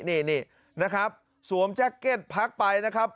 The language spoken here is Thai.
นี่สวมแจ็คเก็ตพักไปนะครับ